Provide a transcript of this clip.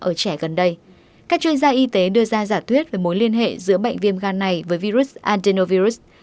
ở trẻ gần đây các chuyên gia y tế đưa ra giả thuyết về mối liên hệ giữa bệnh viêm gan này với virus andernovirus